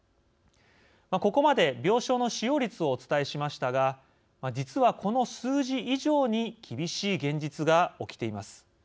ここまで病床の使用率をお伝えしましたが実はこの数字以上に厳しい現実が起きています。